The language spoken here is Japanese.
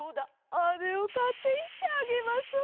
あれをかっていってあげましょう。